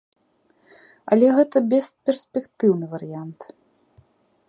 Але гэта бесперспектыўны варыянт.